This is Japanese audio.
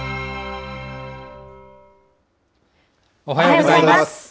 おはようございます。